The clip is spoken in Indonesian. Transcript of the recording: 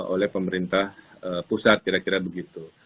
oleh pemerintah pusat kira kira begitu